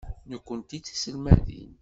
Nekkenti d tiselmadin.